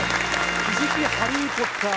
藤木ハリー・ポッター